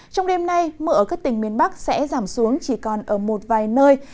trong đêm nay mưa ở các tỉnh miền bắc sẽ giảm xuống chỉ còn ở một vài nơi